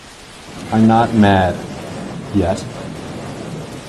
I’m not mad — yet.